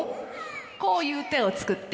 こういう手を作って。